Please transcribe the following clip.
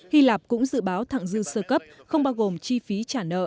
hy lạp cũng dự báo thẳng dư cấp không bao gồm chi phí trả nợ